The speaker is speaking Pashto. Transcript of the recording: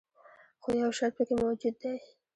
خو یو شرط پکې موجود دی.